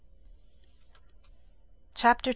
CHAPTER X.